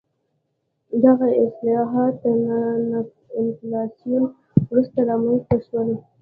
دغه اصلاحات تر انفلاسیون وروسته رامنځته شول.